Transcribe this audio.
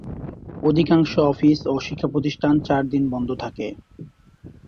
অধিকাংশ অফিস ও শিক্ষাপ্রতিষ্ঠান চার দিন বন্ধ থাকে।